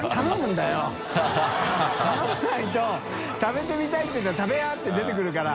頼まないと食べてみたい」って言うと「食べやー」って出てくるから。